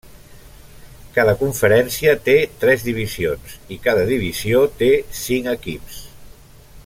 Cada conferència té tres divisions, i cada divisió té cinc equips.